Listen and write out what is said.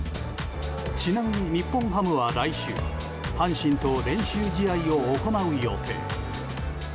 ちなみに日本ハムは、来週阪神と練習試合を行う予定。